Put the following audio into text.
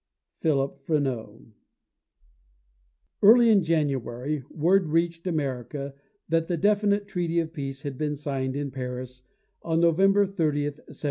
PHILIP FRENEAU. Early in January, word reached America that the definite treaty of peace had been signed at Paris on November 30, 1783.